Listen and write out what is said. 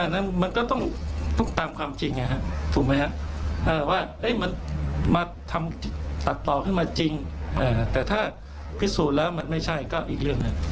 นั้นมันก็ต้องตามความจริงถูกไหมฮะว่ามันมาทำตัดต่อขึ้นมาจริงแต่ถ้าพิสูจน์แล้วมันไม่ใช่ก็อีกเรื่องหนึ่ง